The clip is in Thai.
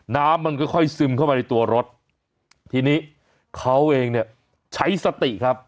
น้ำมันค่อยค่อยซึมเข้ามาในตัวรถทีนี้เขาเองเนี่ยใช้สติครับ